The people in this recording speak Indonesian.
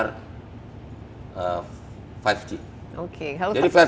untuk mengkaji insentif buat operator lima g untuk menggelar lima g